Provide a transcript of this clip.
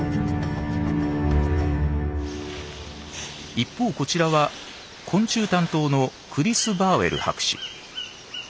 一方こちらは昆虫担当のクリス・バーウェル博士。